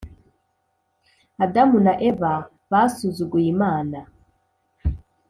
Adamu na Eva basuzuguye Imana,